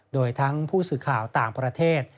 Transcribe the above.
โดยทั้งผู้สื่อข่าวต่างประเทศ